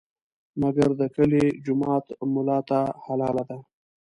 مګر د کلي جومات ملا ته حلاله ده.